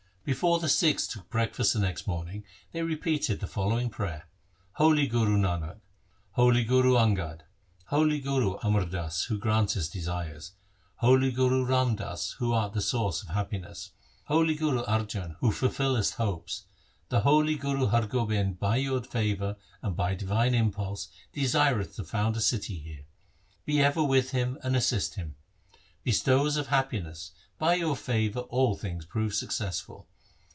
Before the Sikhs took breakfast the next morning they repeated the following prayer :' Holy Guru Nanak, holy Guru Angad, holy Guru Amar Das, who grantest desires, holy Guru Ram Das, who art the source of happiness, holy Guru Arjan, who ful fillest hopes, the holy Guru Har Gobind by your favour and by divine impulse desireth to found a city here. Be ever with him and assist him. Bestowers of happiness, by your favour all things prove successful.